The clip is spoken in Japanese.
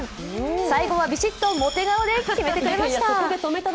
最後はビシッとモテ顔で決めてくれました。